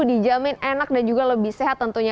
dijamin enak dan juga lebih sehat tentunya